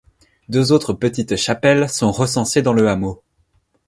Deux autres petites chapelles sont recensées dans le hameau.